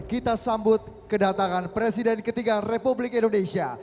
kita sambut kedatangan presiden ketiga republik indonesia